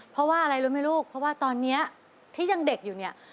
เพราะว่าอะไรรู้ไหมลูกเพราะว่าตอนนี้ที่ยังเด็กอยู่เนี่ย